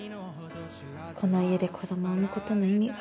この家で子供を産むことの意味が。